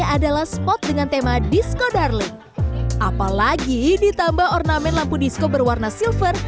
adalah spot dengan tema disco darling apalagi ditambah ornamen lampu disco berwarna silver